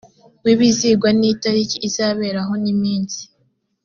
w ibizigwa n itariki izaberaho n iminsi